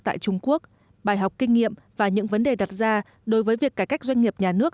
tại trung quốc bài học kinh nghiệm và những vấn đề đặt ra đối với việc cải cách doanh nghiệp nhà nước